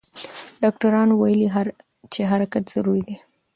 ډاکټران ویلي چې حرکت ضروري دی.